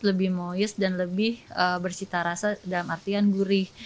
lebih moist dan lebih bersita rasa dalam artian gurih